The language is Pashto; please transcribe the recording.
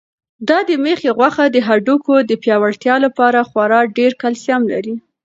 دا د مېښې غوښه د هډوکو د پیاوړتیا لپاره خورا ډېر کلسیم لري.